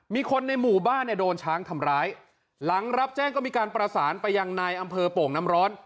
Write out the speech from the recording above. มีคนในหมู่บ้านเนี่ยโดนช้างทำร้ายหลังรับแจ้งก็มีการประสานไปยังนายอำเภอโป่งน้ำร้อน